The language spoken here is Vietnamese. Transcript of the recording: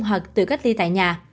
hoặc tự cách ly tại nhà